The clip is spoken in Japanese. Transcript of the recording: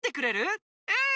うん！